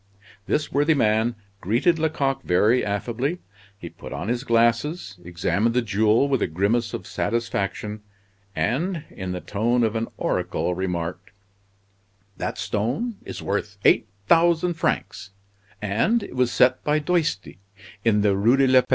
This worthy man greeted Lecoq very affably. He put on his glasses, examined the jewel with a grimace of satisfaction, and, in the tone of an oracle, remarked: "That stone is worth eight thousand francs, and it was set by Doisty, in the Rue de la Paix."